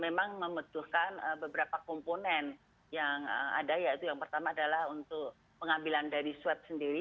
memang membutuhkan beberapa komponen yang ada yaitu yang pertama adalah untuk pengambilan dari swab sendiri